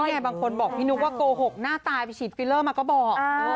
ไงบางคนบอกพี่นุ๊กว่าโกหกหน้าตายไปฉีดฟิลเลอร์มาก็บอก